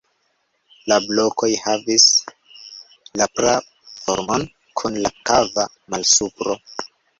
La blokoj havis la pra-formon, kun la kava malsupro.